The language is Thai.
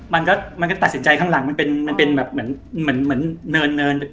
มันก็มันก็ตัดสินใจข้างหลังมันเป็นแบบเหมือนเนิน